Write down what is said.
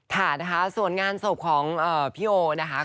ค่ะนะคะส่วนงานศพของพี่โอนะคะ